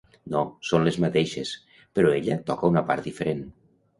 No, són les mateixes, però ella toca una part diferent.